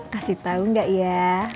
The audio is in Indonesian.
kasih tau gak ya